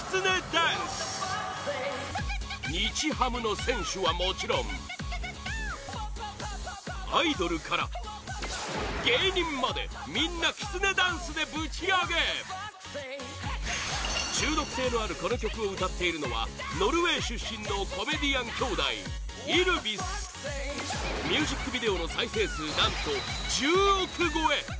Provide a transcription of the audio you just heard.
ダンス日ハムの選手はもちろんアイドルから芸人までみんなきつねダンスでぶちアゲ中毒性のあるこの曲を歌っているのはノルウェー出身のコメディアン兄弟、Ｙｌｖｉｓミュージックビデオの再生数何と１０億超え！